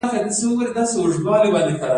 دا يو حقيقت دی چې ټولنيزې بدۍ خورېږي.